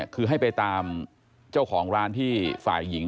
คือให้ไปตามเจ้าของร้านที่ฝ่ายหญิง